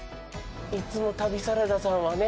いつも旅サラダさんはね